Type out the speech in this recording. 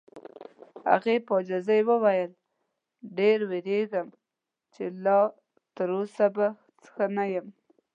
هغې په عاجزۍ وویل: ډېر وېریږم چې لا تر اوسه به ښه نه یم.